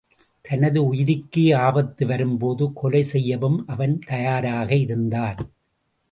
தனது உயிருக்கே ஆபத்து வரும்போது கொலை செய்யவும் அவன் தயாராக இருந்தான்.